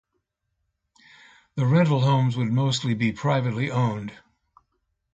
The rental homes would mostly be privately owned.